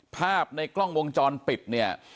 ภาพในกล้องวงจรปิดเนี่ย